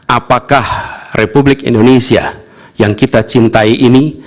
apakah republik indonesia yang kita cintai ini